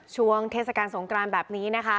ช่วงเทศกาลสงกรานแบบนี้นะคะ